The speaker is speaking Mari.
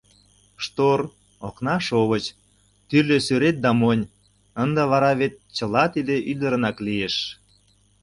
Штор, окна шовыч, тӱрлӧ сӱрет да монь, ынде вара вет чыла тиде ӱдырынак лиеш!